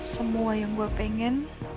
semua yang gue pengen